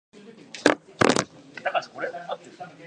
The closest towns are Aberfoyle and Callander.